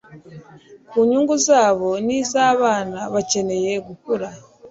ku nyungu zabo n'iz'abana bakeneye gukura